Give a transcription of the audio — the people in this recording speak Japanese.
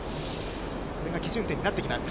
これが基準点になってきます。